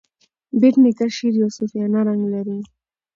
بېټ نیکه شعر یو صوفیانه رنګ لري.